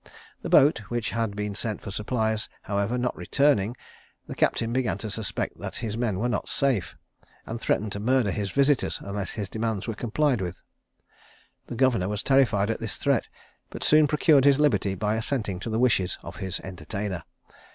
The boat, which had been sent for supplies, however, not returning, the captain began to suspect that his men were not safe, and threatened to murder his visitors unless his demands were complied with. The governor was terrified at this threat; but soon procured his liberty by assenting to the wishes of his entertainer.